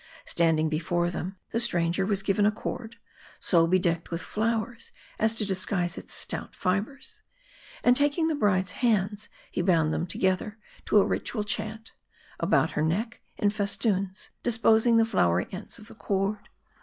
Standing before them, the stranger was given a cord, so bedecked with flowers, as to disguise its stout fibers ; and taking the bride's hands, he bound them together to a ritual chant ; about her neck, in festoons, disposing the flowery ends of the cord.